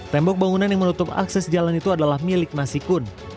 tembok bangunan yang menutup akses jalan itu adalah milik nasi kun